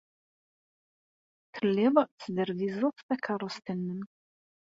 Telliḍ tesderbizeḍ takeṛṛust-nnem.